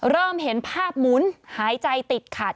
เริ่มเห็นภาพหมุนหายใจติดขัด